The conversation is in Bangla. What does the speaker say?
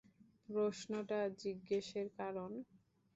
প্রশ্নটা জিজ্ঞেসের কারণ?